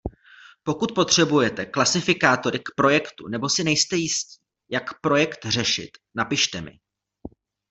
Pokud potřebujete klasifikátory k projektu nebo si nejste jisti, jak projekt řešit, napište mi.